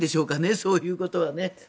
そういうことはね。